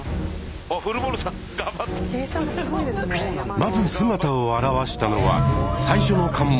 まず姿を現したのは最初の関門